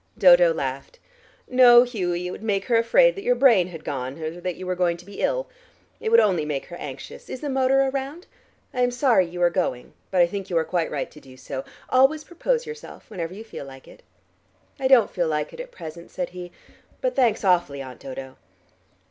Dodo laughed. "No, Hughie; it would make her afraid that your brain had gone, or that you were going to be ill. It would only make her anxious. Is the motor around? I am sorry you are going, but I think you are quite right to do so. Always propose yourself, whenever you feel like it." "I don't feel like it at present," said he. "But thanks awfully, Aunt Dodo."